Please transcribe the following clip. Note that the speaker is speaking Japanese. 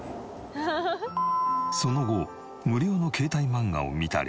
その後無料の携帯マンガを見たり。